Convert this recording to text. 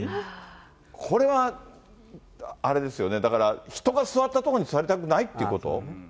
これはあれですよね、だから、人が座った所に座りたくないっていうこと？